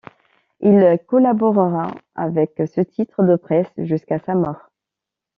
Il collaborera avec ce titre de presse jusqu'à sa mort.